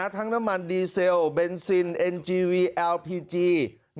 น้ำมันดีเซลเบนซินเอ็นจีวีแอลพีจี